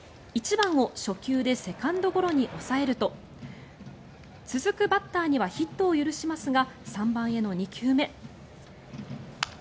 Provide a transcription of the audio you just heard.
１番を初球でセカンドゴロに抑えると続くバッターにはヒットを許しますが３番への２球目。